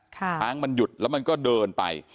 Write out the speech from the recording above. ช้างมันหยุดแล้วมันก็เดินไป